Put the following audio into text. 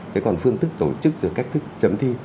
thế còn phương thức tổ chức giữa các thức chấm thi